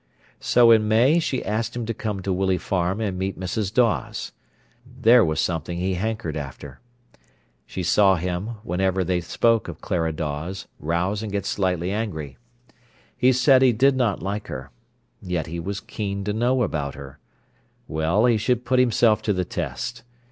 So in May she asked him to come to Willey Farm and meet Mrs. Dawes. There was something he hankered after. She saw him, whenever they spoke of Clara Dawes, rouse and get slightly angry. He said he did not like her. Yet he was keen to know about her. Well, he should put himself to the test.